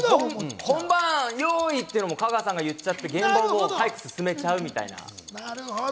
本番よい！っていうのも香川さんも言っちゃって、現場を早く進めちゃうみたいな。